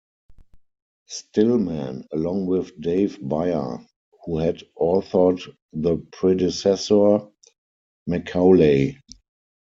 Stillman, along with Dave Bayer who had authored the predecessor, Macaulay.